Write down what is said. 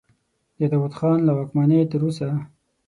د داود خان له واکمنۍ تر اوسه.